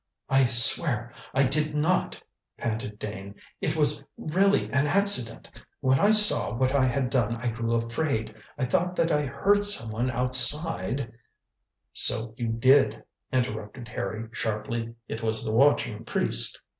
"I swear I did not," panted Dane; "it was really an accident. When I saw what I had done I grew afraid. I thought that I heard someone outside " "So you did," interrupted Harry sharply; "It was the watching priest."